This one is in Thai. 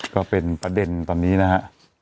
ก็เป็นประเด็นตอนนี้นะฮะ